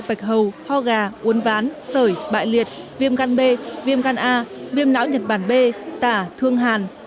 bạch hầu ho gà uốn ván sởi bại liệt viêm gan b viêm gan a viêm não nhật bản b tả thương hàn